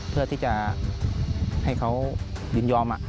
เพื่อที่จะให้เขายินยอม